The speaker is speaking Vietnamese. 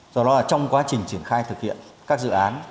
do đó trong quá trình triển khai thực hiện các dự án